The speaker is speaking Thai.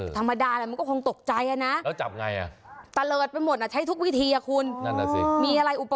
ธรรมดามันก็คงตกใจนะแล้วจับไงอะตะเลิดไปหมดใช้ทุกวิธีเนี่ยคุณ